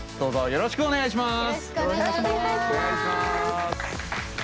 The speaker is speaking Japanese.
よろしくお願いします。